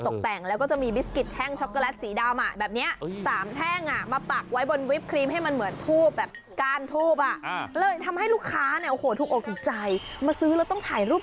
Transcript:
เก็บไว้ด้วยนะมันค่อยถ่ายกาลกาลทูบเลคทูบอย่างเดียว